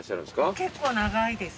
結構長いですね。